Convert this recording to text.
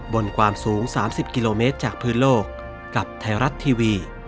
บนความสูง๓๐กิโลเมตรจากพื้นโลกกับไทยรัฐทีวี